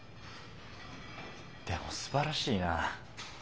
でもすばらしいなぁ。